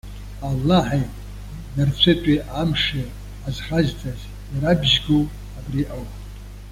Аллаҳи нарцәытәи амши азхазҵаз ирабжьгоу абри ауп.